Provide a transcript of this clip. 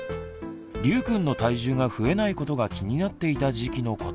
りゅうくんの体重が増えないことが気になっていた時期のこと。